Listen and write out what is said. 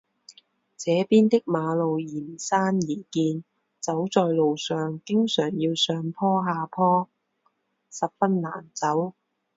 这边的马路沿山而建，走在路上经常要上坡下坡，十分难走。